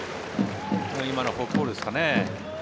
今のフォークボールですかね。